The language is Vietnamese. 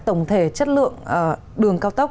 tổng thể chất lượng đường cao tốc